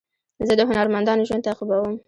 زه د هنرمندانو ژوند تعقیبوم.